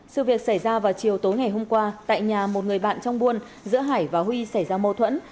sự việc xảy ra vào chiều tối ngày hôm qua tại nhà một người bạn trong buôn giữa hải và huy xảy ra mâu thuẫn